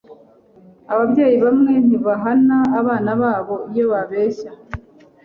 Ababyeyi bamwe ntibahana abana babo iyo babeshya.